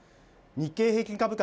日経平均株価